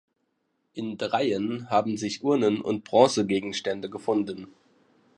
In dreien haben sich Urnen und Bronzegegenstände gefunden.